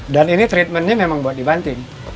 dan ini treatmentnya memang buat dibanting